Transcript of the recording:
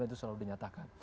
itu selalu dinyatakan